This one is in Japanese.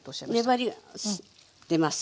粘りが出ます。